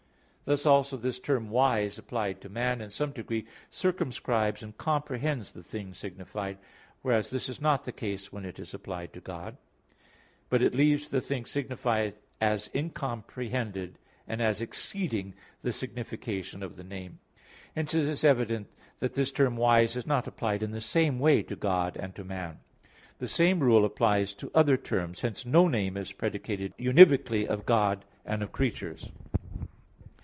Thus also this term "wise" applied to man in some degree circumscribes and comprehends the thing signified; whereas this is not the case when it is applied to God; but it leaves the thing signified as incomprehended, and as exceeding the signification of the name. Hence it is evident that this term "wise" is not applied in the same way to God and to man. The same rule applies to other terms. Hence no name is predicated univocally of God and of creatures.